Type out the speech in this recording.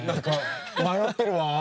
何か迷ってるわ。